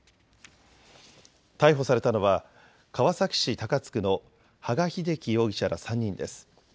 逮捕されたのは川崎市高津区の羽賀秀樹容疑者ら３人です。